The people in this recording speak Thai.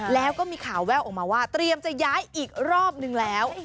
แล้วก็มีข่าวแววออกมาว่าเตรียมจะย้ายอีกรอบนึงแล้ว